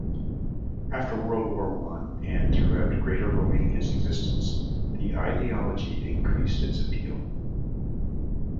After World War One and throughout Greater Romania's existence, the ideology increased its appeal.